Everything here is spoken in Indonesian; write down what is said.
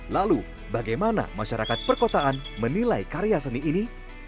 lalu bagaimana masyarakat perkotaan menilai karya seni ini